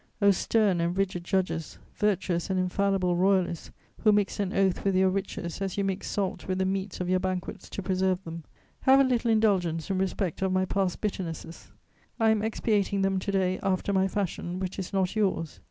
O stern and rigid judges, virtuous and infallible Royalists, who mixed an oath with your riches as you mix salt with the meats of your banquets to preserve them, have a little indulgence in respect of my past bitternesses; I am expiating them to day after my fashion, which is not yours.